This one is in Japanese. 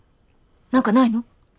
何かないの？